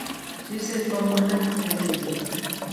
Chize thwamona halimbuka.